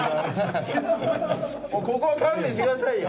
ここは勘弁してくださいよ。